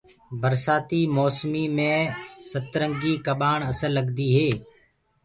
برسآتي موسمو مي سترنگيٚ ڪٻآڻ اسل لگدي هي